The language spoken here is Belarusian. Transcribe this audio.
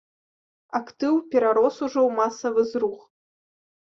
Актыў перарос ужо ў масавы зрух.